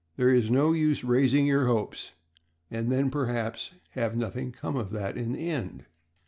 There is no use raising your hopes, and then perhaps have nothing come of that in the end."